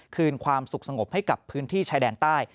คืนความสุขสงบให้กับพื้นที่ชายแดนใต้